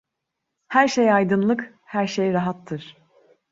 Her şey aydınlık, her şey rahattır.